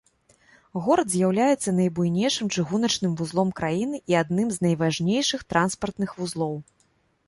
Горад з'яўляецца найбуйнейшым чыгуначным вузлом краіны і адным з найважнейшых транспартных вузлоў.